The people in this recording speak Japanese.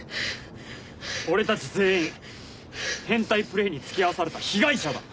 俺たち全員変態プレイにつきあわされた被害者だ。